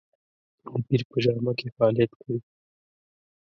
د پیر په جامه کې فعالیت کوي.